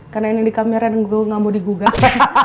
karena ini di kameran gue nggak mau digugat